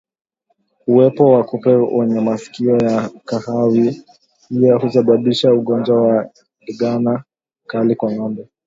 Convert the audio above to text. Uwepo wa kupe wenye masikio ya kahawia husababisha ugonjwa wa ndigana kali kwa ngombe